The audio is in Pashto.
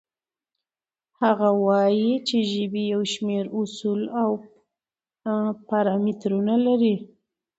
هغه وایي چې ژبې یو شمېر اصول او پارامترونه لري.